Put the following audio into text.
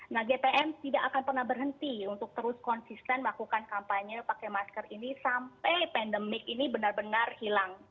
nah gpm tidak akan pernah berhenti untuk terus konsisten melakukan kampanye pakai masker ini sampai pandemik ini benar benar hilang